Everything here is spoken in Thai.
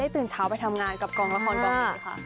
ตื่นเช้าไปทำงานกับกองละครกองนี้ค่ะ